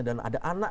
dan ada anak